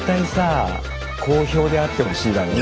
好評であってほしいだろうね。